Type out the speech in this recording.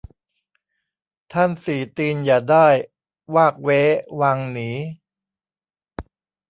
ท่านสี่ตีนอย่าได้ วากเว้วางหนี